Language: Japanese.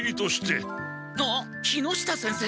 あっ木下先生！？